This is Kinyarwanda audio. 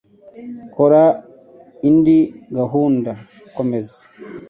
Kora indi gahunda kumeza.